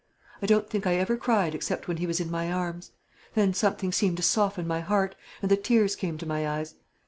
I don't think I ever cried except when he was in my arms. Then something seemed to soften my heart, and the tears came to my eyes.